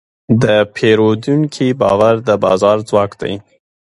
د پیرودونکي باور د بازار ځواک دی.